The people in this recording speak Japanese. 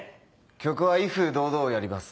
曲は『威風堂々』をやります。